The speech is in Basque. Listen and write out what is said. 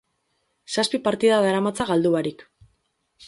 Zazpi partida daramatza galdu barik.